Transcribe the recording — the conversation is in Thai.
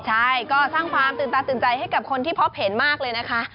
ใช่ก็สร้างความตื่นตาตื่นใจให้กับคนที่พบเห็นมากเลยนะคะ